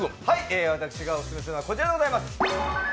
私がオススメするのはこちらでございます。